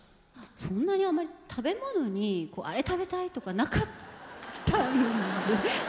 そんなにあまり食べ物にあれ食べたいとかなかったんですよね。